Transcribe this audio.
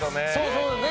そうだね。